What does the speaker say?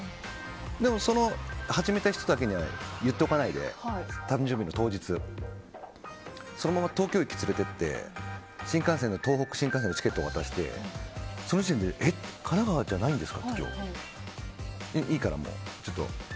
その始めた人だけには言っておかないで誕生日の当日、そのまま東京駅に連れて行って東北新幹線のチケット渡してそしたらその人は神奈川じゃないんですか？